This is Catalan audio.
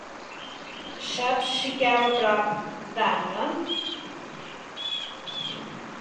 Saps si cau a prop d'Anna?